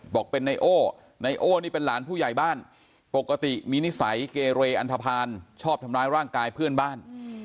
บอกเป็นไนโอ้ไนโอ้นี่เป็นหลานผู้ใหญ่บ้านปกติมีนิสัยเกเรอันทภาณชอบทำร้ายร่างกายเพื่อนบ้าน